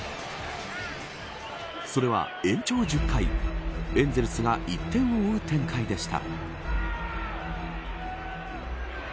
それは延長１０回エンゼルスが１点を追う展開でした。